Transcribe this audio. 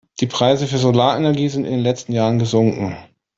Die Preise für Solarenergie sind in den letzten Jahren gesunken.